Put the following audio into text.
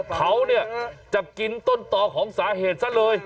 เขาเนี่ยจะกินต้นต่อของสาเหตุซะเลย